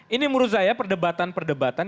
ini menurut saya perdebatan perdebatan